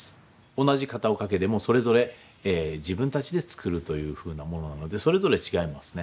同じ片岡家でもそれぞれ自分たちで作るというふうなものなのでそれぞれ違いますね。